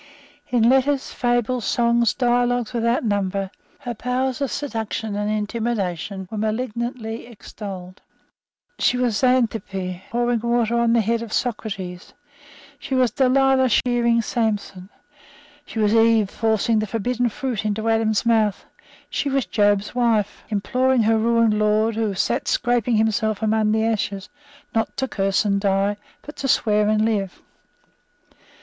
In letters, fables, songs, dialogues without number, her powers of seduction and intimidation were malignantly extolled. She was Xanthippe pouring water on the head of Socrates. She was Dalilah shearing Samson. She was Eve forcing the forbidden fruit into Adam's mouth. She was Job's wife, imploring her ruined lord, who sate scraping himself among the ashes, not to curse and die, but to swear and live.